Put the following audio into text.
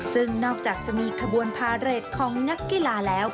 ซึ่งนอกจากจะมีขบวนพาเรทของนักกีฬาแล้ว